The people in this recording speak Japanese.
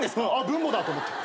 分母だと思って。